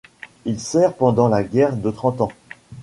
Il sert pendant la guerre de Trente Ans.